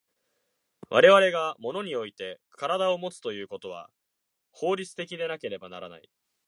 我々が物において身体をもつということは法律的でなければならない。